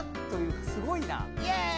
イエーイ！